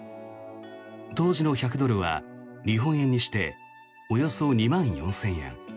当時の１００ドルは日本円にしておよそ２万４０００円。